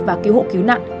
và cứu hộ cứu nạn